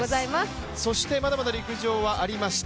そしてまだまだ陸上はありました。